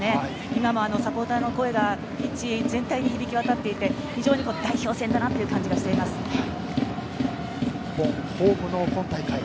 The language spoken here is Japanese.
今もサポーターの声がピッチ全体に響き渡っていて代表戦だなという感じが日本ホームの今大会。